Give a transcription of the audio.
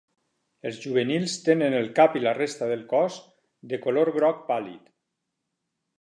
Els juvenils tenen el cap i la resta de cos de color groc pàl·lid.